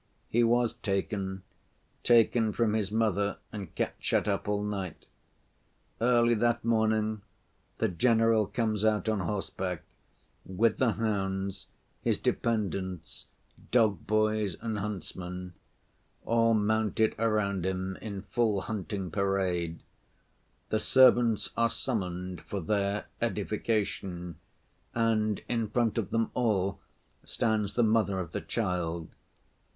He was taken—taken from his mother and kept shut up all night. Early that morning the general comes out on horseback, with the hounds, his dependents, dog‐boys, and huntsmen, all mounted around him in full hunting parade. The servants are summoned for their edification, and in front of them all stands the mother of the child.